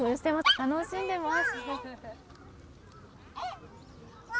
楽しんでいます。